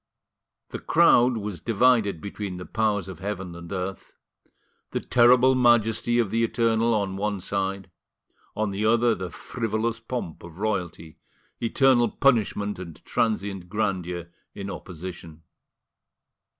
The crowd was divided between the powers of heaven and earth: the terrible majesty of the Eternal on one side, on the other the frivolous pomp of royalty—eternal punishment and transient grandeur in opposition.